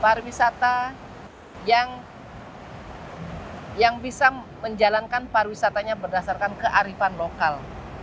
pariwisata yang bisa menjalankan pariwisatanya berdasarkan kearifan lokal